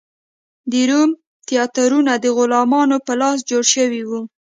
د روم تیاترونه د غلامانو په لاس جوړ شوي و.